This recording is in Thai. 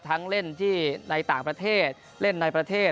เล่นที่ในต่างประเทศเล่นในประเทศ